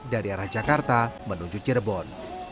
dari arah jakarta menuju cirebon